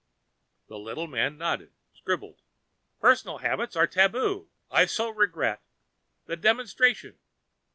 The little man nodded, scribbling. "Personal habits are tabu? I so regret. The demonstration."